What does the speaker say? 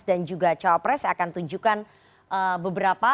dan juga cawapres saya akan tunjukkan beberapa